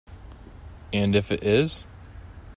And if it is?